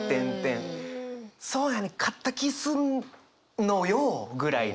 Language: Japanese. そうやねん勝った気すんのよぐらいの。